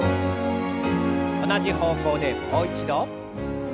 同じ方向でもう一度。